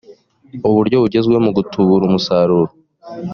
uburyo bugezweho mu gutubura umusaruro